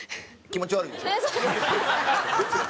気持ち悪いでしょ。